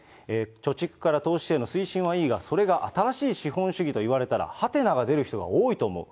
貯蓄から投資への推進はいいが、それが新しい資本主義といわれたらはてなが出る人が多いと思う。